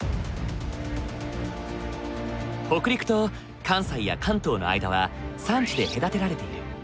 北陸と関西や関東の間は山地で隔てられている。